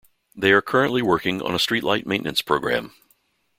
They are currently working on a streetlight maintenance program.